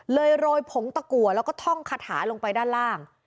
โรยผงตะกัวแล้วก็ท่องคาถาลงไปด้านล่าง